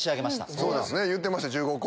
そうですね言うてました１５校。